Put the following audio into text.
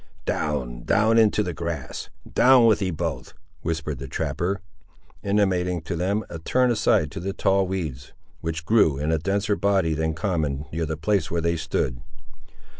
"Down, down into the grass—down with ye both," whispered the trapper, intimating to them to turn aside to the tall weeds, which grew, in a denser body than common, near the place where they stood.